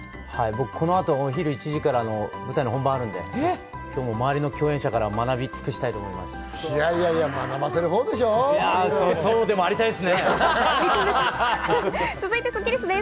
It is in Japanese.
僕、この後、午後１時から舞台の本番があるので、周りの共演者から学び尽くしたいと思います。